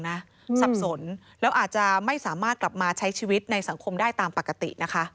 สับสนแล้วอาจจะไม่สามารถกลับมาใช้ชีวิตในสังคมได้ตามปกตินะคะ